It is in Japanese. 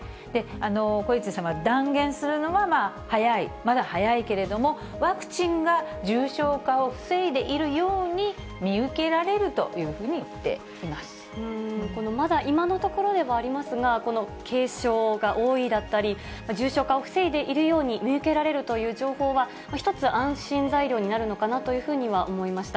コエツィさんは、断言するのは早い、まだ早いけれども、ワクチンが重症化を防いでいるように見受けられるというふうに言まだ今のところではありますが、この軽症が多いだったり、重症化を防いでいるように見受けられるという情報は一つ、安心材料になるのかなというふうには思いました。